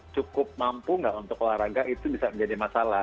cukup mampu nggak untuk olahraga itu bisa menjadi masalah